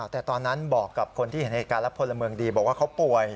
แต่ตอนนั้นบอกกับคนที่เห็นเหตุการณ์และพลเมืองดีบอกว่าเขาป่วย